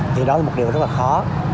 thì đó là một điều rất là khó